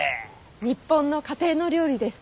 日本の家庭の料理です！